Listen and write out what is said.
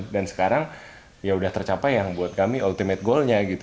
dan sekarang ya sudah tercapai yang buat kami ultimate goalnya